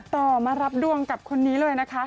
ต่อมารับดวงกับคนนี้เลยนะคะ